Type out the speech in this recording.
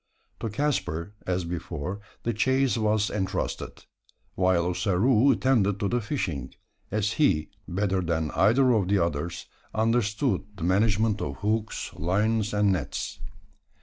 To Caspar, as before, the chase was entrusted; while Ossaroo attended to the fishing; as he, better than either of the others, understood the management of hooks, lines, and nets.